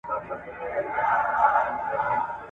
• اصل خطا نلري، کم اصل وفا نه لري.